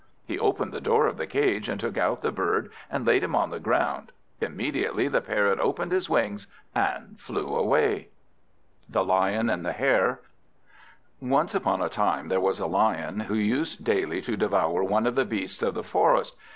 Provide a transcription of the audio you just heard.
He opened the door of the cage, and took out the bird, and laid him on the ground. Immediately the Parrot opened his wings and flew away. The Lion and the Hare ONCE upon a time there was a Lion, who used daily to devour one of the beasts of the forest.